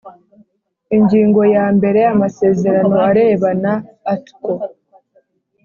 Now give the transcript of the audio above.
Ingingo yambere Amasezerano arebana Article